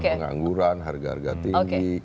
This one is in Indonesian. pengangguran harga harga tinggi